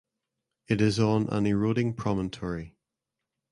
It is on an eroding promontory.